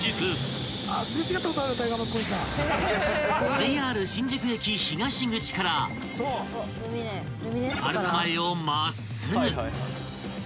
［ＪＲ新宿駅東口からアルタ前を真っすぐ］